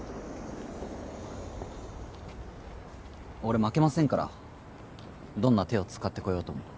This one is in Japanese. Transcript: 俺負けませんからどんな手を使ってこようとも。